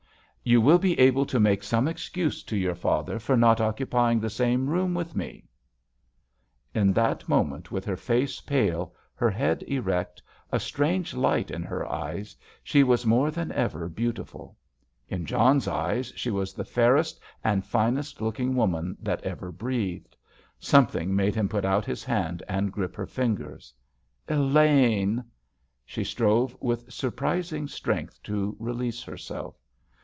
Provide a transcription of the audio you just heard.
"You will be able to make some excuse to your father for not occupying the same room with me——" In that moment, with her face pale, her head erect, a strange light in her eyes, she was more than ever beautiful. In John's eyes she was the fairest and finest looking woman that ever breathed. Something made him put out his hand and grip her fingers. "Elaine!" She strove with surprising strength to release herself.